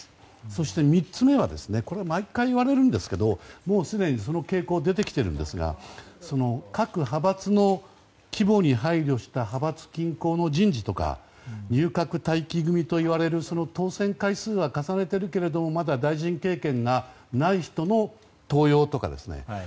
そして３つ目は毎回言われるんですがすでにその傾向が出てきていますがその各派閥の規模に配慮した派閥均衡の人事とか入閣待機組といわれる当選回数は重ねているけどまだ大臣経験がない人の登用とかですね